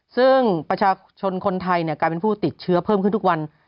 ซึ่งประชาชนคนไทยกลายเป็นผู้ติดเชื้อเพิ่มขึ้นทุกวัน